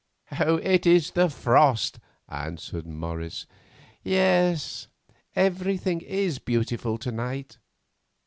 "It is the frost," answered Morris. "Yes, everything is beautiful to night."